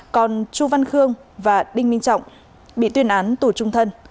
còn chu văn khương và đinh minh trọng bị tuyên án tù trung thân